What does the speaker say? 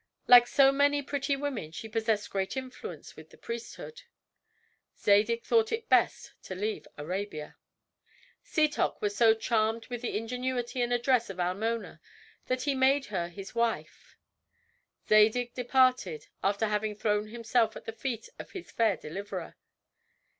Like so many pretty women she possessed great influence with the priesthood. Zadig thought it best to leave Arabia. Setoc was so charmed with the ingenuity and address of Almona that he made her his wife. Zadig departed, after having thrown himself at the feet of his fair deliverer.